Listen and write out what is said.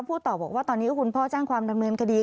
พูดต่อบอกว่าตอนนี้ก็คุณพ่อแจ้งความดำเนินคดี